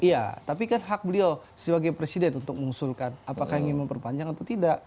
iya tapi kan hak beliau sebagai presiden untuk mengusulkan apakah ingin memperpanjang atau tidak